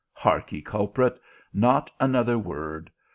Hark ye, culprit ! not another word.